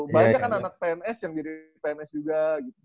banyak kan anak anak pns yang jadi pns juga gitu